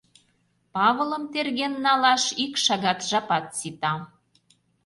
Павылым терген налаш ик шагат жапат сита.